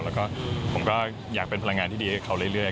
แล้วก็ผมก็อยากเป็นพลังงานที่ดีให้เขาเรื่อย